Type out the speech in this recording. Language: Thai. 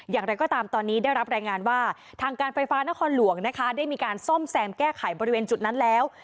อย่างไรก็ตามตอนนี้ได้รับรายงานว่าทางการไฟฟ้านครหลวงนะคะได้มีการซ่อมแซมแก้ไขบริเวณจุดนั้นแล้ว